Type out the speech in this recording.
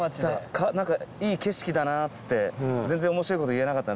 いい景色だなっつって全然面白いこと言えなかった